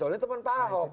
oh ini teman pak ahok